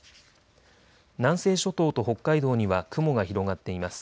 南西諸島と北海道には雲が広がっています。